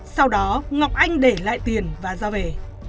sau đó ngọc anh để lại tiền và ra về